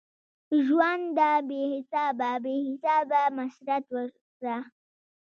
ژونده بی حسابه ؛ بی حسابه مسرت ورکړه